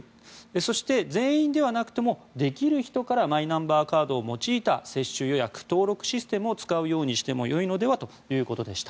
そして、全員ではなくてもできる人からマイナンバーカードを用いた接種予約・登録システムを使うようにしてもいいのではということでした。